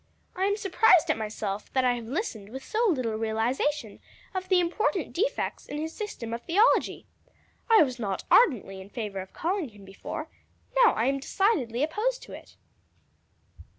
I am surprised at myself that I have listened with so little realization of the important defects in his system of theology. I was not ardently in favor of calling him before; now I am decidedly opposed to it."